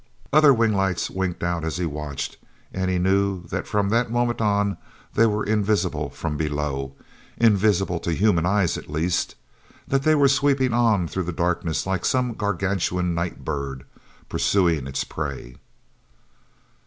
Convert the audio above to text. Other wing lights winked out as he watched, and he knew that from that moment on, they were invisible from below—invisible to human eyes at least—that they were sweeping on through the darkness like some gargantuan night bird pursuing its prey.